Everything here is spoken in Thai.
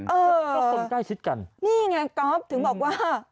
เออก็คนใกล้ชิดกันนี่ไงก๊อฟถึงบอกว่า